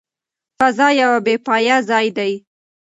فضا یو بې پایه ځای دی.